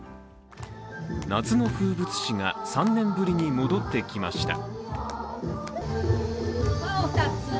夏の風物詩が３年ぶりに戻ってきました。